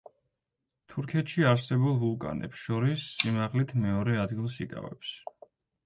თურქეთში არსებულ ვულკანებს შორის სიმაღლით მეორე ადგილს იკავებს.